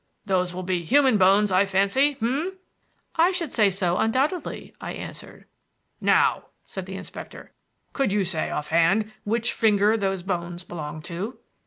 "Those will be human bones, I fancy; h'm?" "I should say so undoubtedly," I answered. "Now," said the inspector, "could you say, offhand, which finger those bones belong to?"